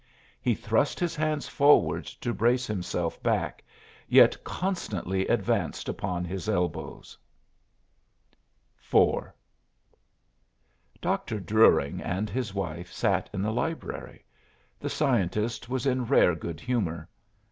He thrust his hands forward to brace himself back, yet constantly advanced upon his elbows. IV Dr. Druring and his wife sat in the library. The scientist was in rare good humor.